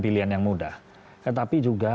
pilihan yang mudah tetapi juga